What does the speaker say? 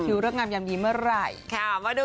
คิวเริ่มงามยามยิ้มเมื่อไหร่